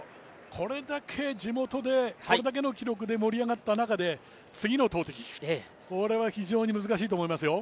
これだけ地元で、これだけの記録で盛り上がった中で次の投てきは非常に難しいと思いますよ。